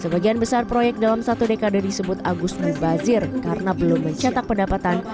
sebagian besar proyek dalam satu dekade disebut agus mubazir karena belum mencetak pendapatan